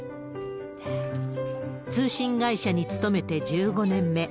通信会社に勤めて１５年目。